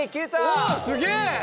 おっすげえ！